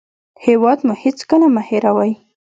هېواد مو هېڅکله مه هېروئ